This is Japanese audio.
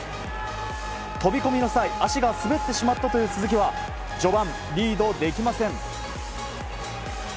飛び込みの際足が滑ってしまったという鈴木は序盤、リードできません。